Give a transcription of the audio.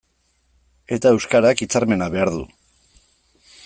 Eta euskarak hitzarmena behar du.